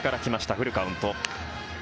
フルカウント。